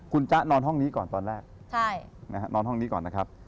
คุณจ๊ะนอนห้องนี้ก่อนตอนแรกนอนห้องนี้ก่อนนะครับ